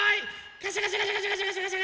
カシャカシャカシャカシャ。